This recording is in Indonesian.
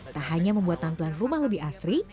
tak hanya membuat tampilan rumah lebih asri